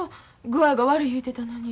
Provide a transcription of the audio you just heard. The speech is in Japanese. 具合が悪い言うてたのに。